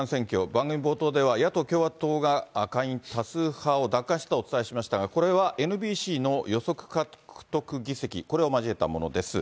番組冒頭では、野党・共和党が下院多数派を奪還したとお伝えしましたが、これはＮＢＣの予測獲得議席、これを交えたものです。